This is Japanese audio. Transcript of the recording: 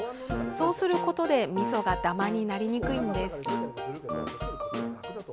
そうすることでみそがダマになりにくいんです。